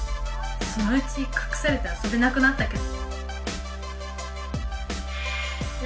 そのうちかくされてあそべなくなったけど」。